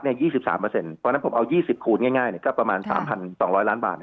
เพราะฉะนั้นผมเอา๒๐คูณง่ายก็ประมาณ๓๒๐๐ล้านบาท